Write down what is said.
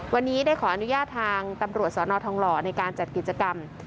วันนี้ได้ขออนุญาตทางตำรวจสนทองหล่อในการจัดกิจกรรม